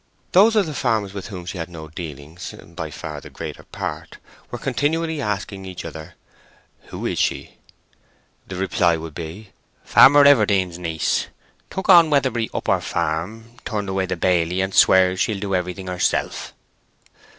Those of the farmers with whom she had no dealings (by far the greater part) were continually asking each other, "Who is she?" The reply would be— "Farmer Everdene's niece; took on Weatherbury Upper Farm; turned away the baily, and swears she'll do everything herself."